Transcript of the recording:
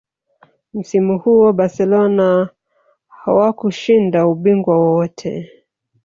msimu huo barcelona hawakushinda ubingwa wowote